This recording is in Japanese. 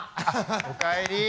おかえり！